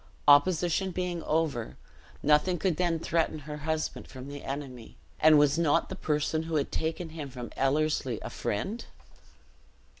Opposition being over, nothing could then threaten her husband from the enemy; and was not the person who had taken him from Ellerslie a friend?